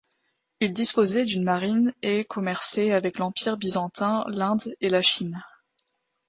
Il disposait d’une marine et commerçait avec l’Empire byzantin, l’Inde et la Chine.